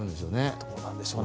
どうなんでしょうね。